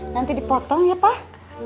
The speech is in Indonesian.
nanti dipotong ya pak